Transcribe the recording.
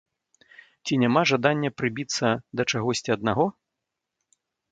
Ці няма жадання прыбіцца да чагосьці аднаго?